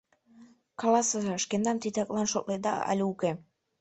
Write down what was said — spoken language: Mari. Каласыза, шкендам титаканлан шотледа але уке?